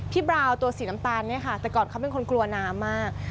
บราวตัวสีน้ำตาลเนี่ยค่ะแต่ก่อนเขาเป็นคนกลัวน้ำมาก